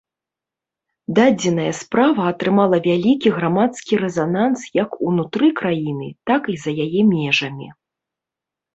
Дадзеная справа атрымала вялікі грамадскі рэзананс як унутры краіны, так і за яе межамі.